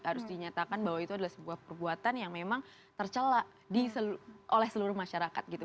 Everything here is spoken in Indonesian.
harus dinyatakan bahwa itu adalah sebuah perbuatan yang memang tercelak oleh seluruh masyarakat gitu